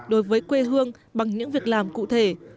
đối với quê hương bằng những việc làm cụ thể